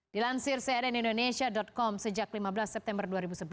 dilansir cnn indonesia com sejak lima belas september dua ribu sebelas